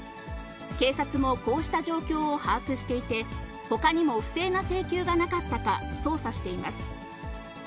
警察もこうした状況を把握していて、ほかにも不正な請求がなかったか、捜査しています。